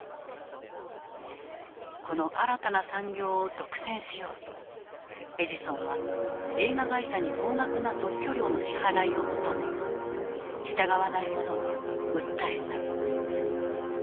この新たな産業を独占しようとエジソンは映画会社に高額な特許料の支払いを求め従わない者は訴えた。